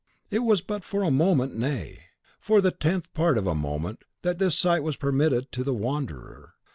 It was but for a moment nay, for the tenth part of a moment that this sight was permitted to the wanderer.